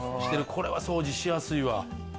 これは掃除しやすいわ。